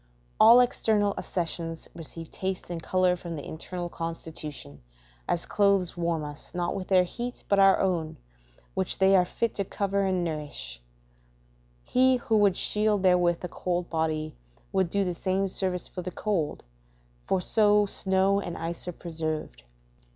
All external accessions receive taste and colour from the internal constitution, as clothes warm us, not with their heat, but our own, which they are fit to cover and nourish; he who would shield therewith a cold body, would do the same service for the cold, for so snow and ice are preserved.